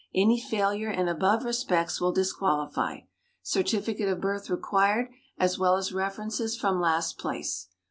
Any failure in above respects will disqualify. Certificate of birth required as well as references from last place.